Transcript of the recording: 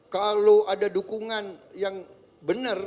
kalau ada dukungan yang benar